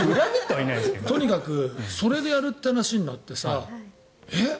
とにかくそれでやるって話になってさえっ？